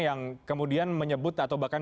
yang kemudian menyebut atau bahkan